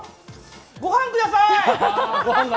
ご飯ください！